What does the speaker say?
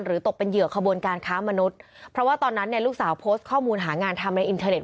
ตกเป็นเหยื่อขบวนการค้ามนุษย์เพราะว่าตอนนั้นเนี่ยลูกสาวโพสต์ข้อมูลหางานทำในอินเทอร์เต็